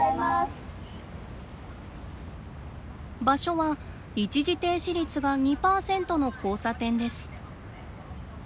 場所は一時停止率が２％の交差点です。